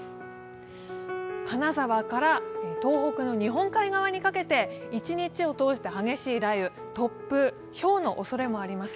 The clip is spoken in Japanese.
金沢から東北の日本海側にかけて一日を通して激しい雷雨、突風、ひょうのおそれもあります。